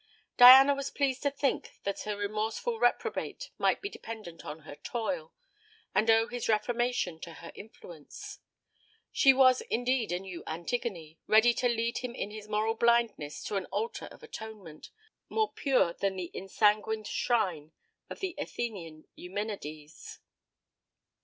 Diana was pleased to think that a remorseful reprobate might be dependent on her toil, and owe his reformation to her influence. She was indeed a new Antigone, ready to lead him in his moral blindness to an altar of atonement more pure than the ensanguined shrine of the Athenian Eumenides.